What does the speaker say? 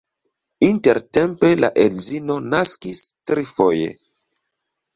Intertempe la edzino naskis trifoje.